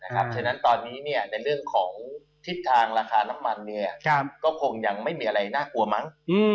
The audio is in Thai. เพราะฉะนั้นตอนนี้ในเรื่องของทิศทางราคาน้ำมันก็คงยังไม่มีอะไรน่ากลัวมั้ง